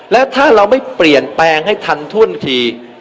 และถ้าเราไม่เปลี่ยนแปลงให้ทันท่วนที